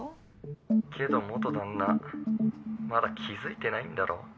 けど元旦那まだ気付いてないんだろ。